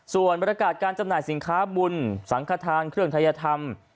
ส่วนบรรยากาศการจำหน่ายสินค้าบุญสังขทานเครื่องทัยธรรม